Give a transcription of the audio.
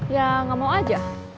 ya gak mau aja